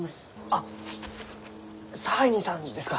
あっ差配人さんですか？